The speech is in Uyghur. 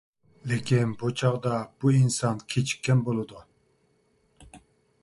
لېكىن، بۇ چاغدا بۇ ئىنسان كېچىككەن بولىدۇ.